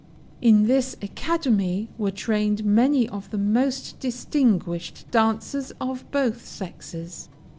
In this academy were trained many of the most distinguished dancers of both sexes."